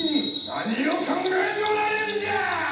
何を考えておられるんじゃ！